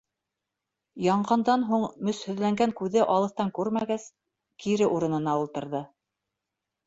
Янғандан һуң мөсһөҙләнгән күҙе алыҫтан күрмәгәс, кире урынына ултырҙы.